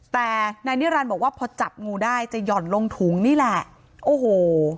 แต่นายนิรันดิ์บอกว่าพอจับงูได้จะหย่อนลงถุงนี่แหละโอ้โห